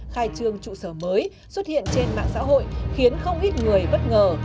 khai trương trụ sở mới xuất hiện trên mạng xã hội khiến không ít người bất ngờ